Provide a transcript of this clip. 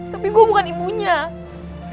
tapi gue bukan ibunya